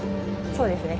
そうですね。